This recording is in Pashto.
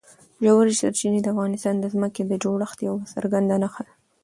ژورې سرچینې د افغانستان د ځمکې د جوړښت یوه څرګنده نښه ده.